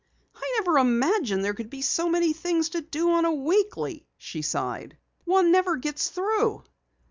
"I never imagined there could be so many things to do on a weekly," she sighed. "One never gets through."